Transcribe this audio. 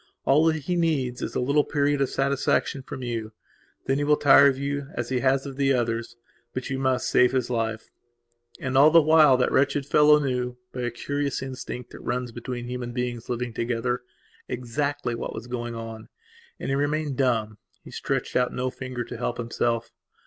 All that he needs is a little period of satisfaction from you. Then he will tire of you as he has of the others. But you must save his life." And, all the while, that wretched fellow knewby a curious instinct that runs between human beings living togetherexactly what was going on. And he remained dumb; he stretched out no finger to help himself.